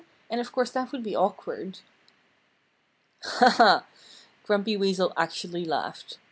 And of course that would be awkward." "Ha, ha!" Grumpy Weasel actually laughed.